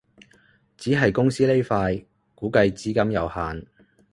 只係公司呢塊估計資金有限